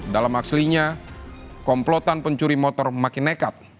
dalam aslinya komplotan pencuri motor makin nekat